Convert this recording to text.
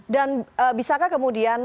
dan bisakah kemudian